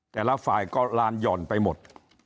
แต่ละฝ่ายก็ลานหย่อนไปหมด